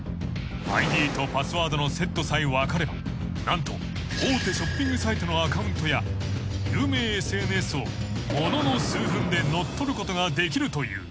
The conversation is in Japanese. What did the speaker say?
［ＩＤとパスワードのセットさえ分かれば何と大手ショッピングサイトのアカウントや有名ＳＮＳをものの数分で乗っ取ることができるという］